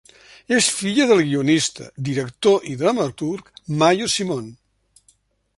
És filla del guionista, director i dramaturg Mayo Simon.